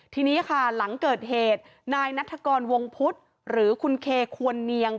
ทีนี้ค่ะหลังเกิดเหตุนายนัฐกรวงพุทธหรือคุณเคควรเนียง